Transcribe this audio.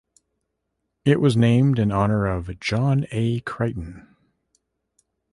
It was named in honor of John A. Creighton.